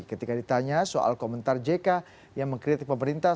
ketika ditanya soal komentar jk yang mengkritik pemerintah